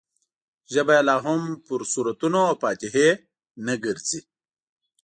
ژبه یې لا هم پر سورتونو او فاتحې نه ګرځي.